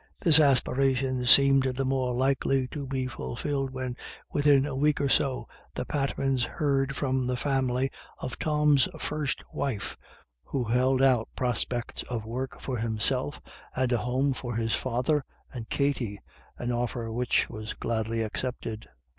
This aspiration seemed the more likely to be fulfilled when within a week or so the Patmans heard from the family of Tom's first wife, who held COMING AND GOING. 315 out prospects of work for himself and a home for his father and Katty — an offer which was gladly accepted.